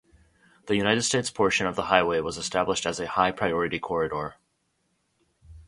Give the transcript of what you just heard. The United States portion of the highway was established as a High Priority Corridor.